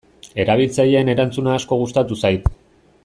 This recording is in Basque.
Erabiltzaileen erantzuna asko gustatu zait.